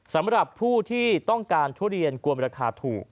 สำหรับผู้ที่ต้องการทุเรียนกวนราคาถูก